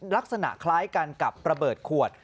ลักษณะคล้ายกันกับระเบิดขวด